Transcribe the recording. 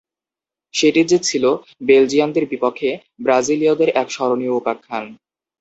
সেটি যে ছিল বেলজিয়ানদের বিপক্ষে ব্রাজিলীয়দের এক স্মরণীয় উপাখ্যান।